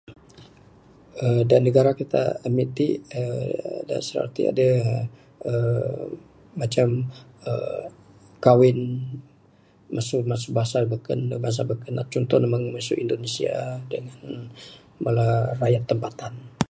uhh Da negara kita'k, amik tik, uhh da' sarawak tik, aduh uhh macam uhh kawin masu mas bansa da bekun. Conto ne meng masu Indonesia, aduh bala rakyat tempatan.